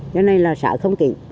cho nên là sợ không kịp